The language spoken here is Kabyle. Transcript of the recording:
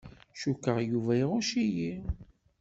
Cukkeɣ Yuba iɣucc-iyi.